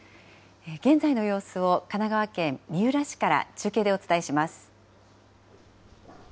現在の様子を神奈川県三浦市から中継でお伝えします。